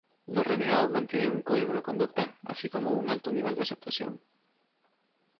Los Renegados mantienen un código de conducta, así como un alto nivel de aceptación.